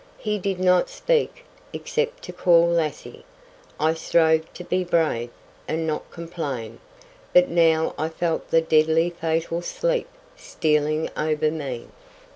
He did not speak, except to call Lassie. I strove to be brave, and not complain; but now I felt the deadly fatal sleep stealing over me.